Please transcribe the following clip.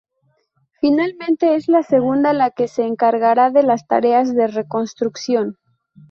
Finalmente es la segunda la que se encargará de la tareas de reconstrucción.